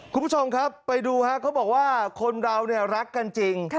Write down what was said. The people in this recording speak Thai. คุณผู้ชมครับไปดูฮะเขาบอกว่าคนเราเนี่ยรักกันจริง